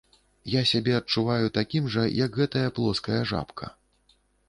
Я сябе адчуваю такім жа, як гэтая плоская жабка.